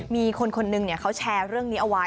มีคนคนหนึ่งเขาแชร์เรื่องนี้เอาไว้